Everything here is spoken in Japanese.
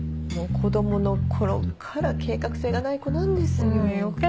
もう子供の頃から計画性がない子なんですよ。